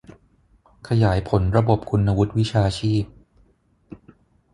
ขยายผลระบบคุณวุฒิวิชาชีพ